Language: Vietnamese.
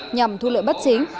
nhằm thu lợi bất chính